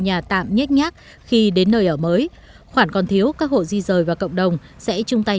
nhà tạm nhét nhác khi đến nơi ở mới khoản còn thiếu các hộ di rời và cộng đồng sẽ chung tay